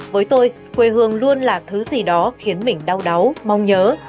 với tôi quê hương luôn là thứ gì đó khiến mình đau đáu mong nhớ